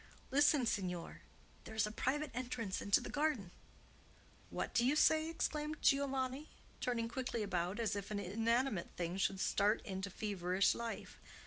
"Listen, signor! There is a private entrance into the garden!" "What do you say?" exclaimed Giovanni, turning quickly about, as if an inanimate thing should start into feverish life.